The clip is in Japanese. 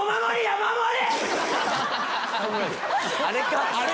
あれか。